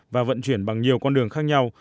và vận chuyển bằng nhiều con đường khác nhau